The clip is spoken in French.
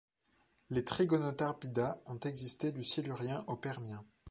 Les Trigonotarbida ont existé du Silurien au Permien.